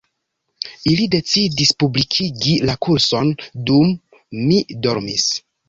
Ili decidis publikigi la kurson dum mi dormis